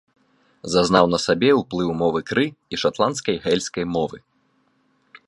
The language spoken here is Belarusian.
Зазнаў на сабе ўплыў мовы кры і шатландскай гэльскай мовы.